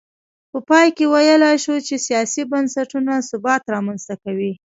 په پای کې ویلای شو چې سیاسي بنسټونه ثبات رامنځته کوي.